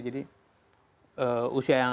jadi usia yang